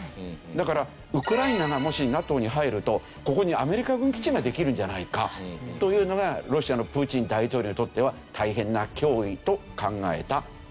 だからウクライナがもしＮＡＴＯに入るとここにアメリカ軍基地ができるんじゃないかというのがロシアのプーチン大統領にとっては大変な脅威と考えたというわけですね。